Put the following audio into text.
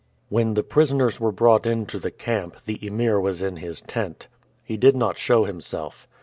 When the prisoners were brought into the camp, the Emir was in his tent. He did not show himself.